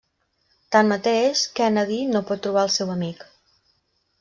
Tanmateix, Kennedy no pot trobar el seu amic.